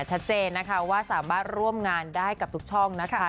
ชัดเจนนะคะว่าสามารถร่วมงานได้กับทุกช่องนะคะ